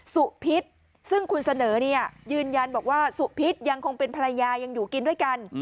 พิษซึ่งคุณเสนอเนี่ยยืนยันบอกว่าสุพิษยังคงเป็นภรรยายังอยู่กินด้วยกัน